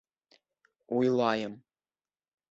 — Уйлайым.